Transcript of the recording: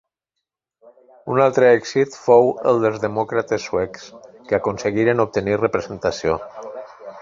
Un altre èxit fou el dels Demòcrates Suecs, que aconseguiren obtenir representació.